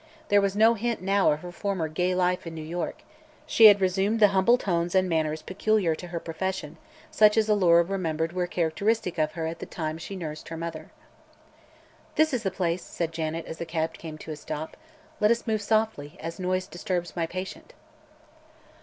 There was no hint now of her former gay life in New York; she had resumed the humble tones and manners peculiar to her profession, such as Alora remembered were characteristic of her at the time she nursed her mother. "This is the place," said Janet, as the cab came to a stop. "Let us move softly, as noise disturbs my patient."